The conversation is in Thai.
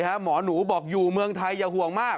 หมอหนูบอกอยู่เมืองไทยอย่าห่วงมาก